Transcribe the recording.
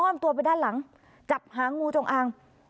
ตัวไปด้านหลังจับหางูจงอาง